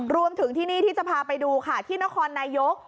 รวมถึงที่นี่ที่จะพาไปดูค่ะที่นครนายก